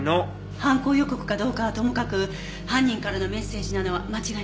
犯行予告かどうかはともかく犯人からのメッセージなのは間違いなさそうね。